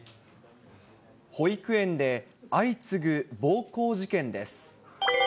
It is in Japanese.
保育園で相次ぐ暴行事件です。